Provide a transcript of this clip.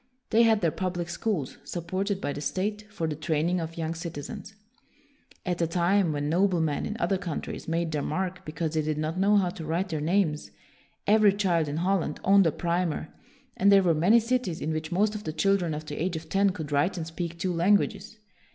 They had their public schools, supported by the state, for the training of young citizens. At a time when noblemen in other coun tries made their mark because they did not know how to write their names, every child in Holland owned a primer, and there were many cities in which most of the children of the age of ten could write and speak two languages.